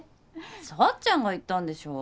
幸ちゃんが言ったんでしょ。